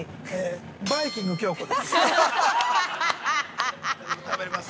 バイキング京子です。